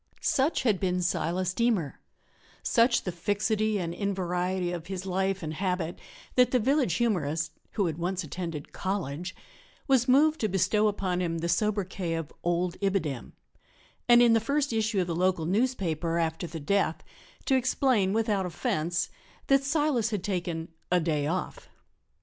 Such had been Silas Deemer such the fixity and invariety of his life and habit, that the village humorist (who had once attended college) was moved to bestow upon him the sobriquet of "Old Ibidem," and, in the first issue of the local newspaper after the death, to explain without offence that Silas had taken "a day off."